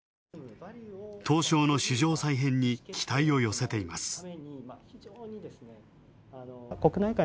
東証の市場再編に期待を寄せています。